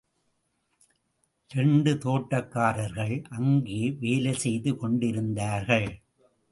இரண்டு தோட்டக்காரர்கள் அங்கே வேலை செய்து கொண்டிருந்தார்கள்.